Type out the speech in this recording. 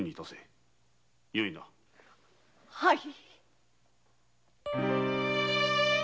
はい。